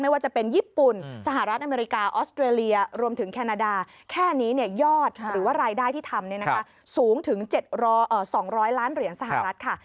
ว่าจะเป็นญี่ปุ่นสหรัฐอเมริกาออสเตรเลียรวมถึงแคนาดาแค่นี้ยอดหรือว่ารายได้ที่ทำสูงถึง๒๐๐ล้านเหรียญสหรัฐค่ะ